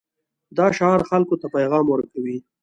دا شعار خلکو ته پیغام ورکوي.